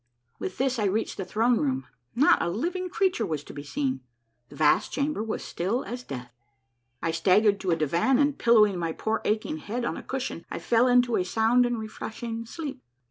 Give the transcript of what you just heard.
" With this, I reached the throne room ; not a living creature was to be seen ; the vast chamber was as still as death. I stag gered to a divan, and pillowing my poor aching head on a cushion, I fell into a sound and refreshing sleep.